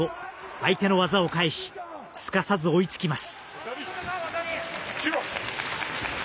相手の技を返しすかさず追いつきます。